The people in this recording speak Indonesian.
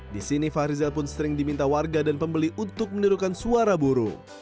di sini fahrizal pun sering diminta warga dan pembeli untuk menirukan suara burung